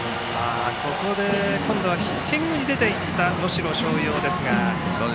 ここで今度はヒッティングに出て行った能代松陽ですが。